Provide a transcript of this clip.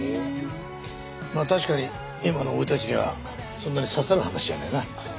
まあ確かに今の俺たちにはそんなに刺さる話じゃないな。